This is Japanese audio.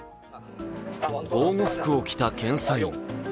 防護服を着た検査員。